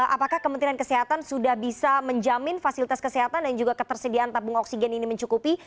apakah kementerian kesehatan sudah bisa menjamin fasilitas kesehatan dan juga ketersediaan tabung oksigen ini mencukupi